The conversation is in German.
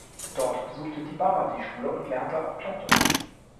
Dort besuchte Dibaba die Schule und lernte auch Plattdeutsch.